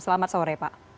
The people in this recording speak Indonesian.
selamat sore pak